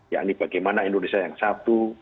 yakni bagaimana indonesia yang satu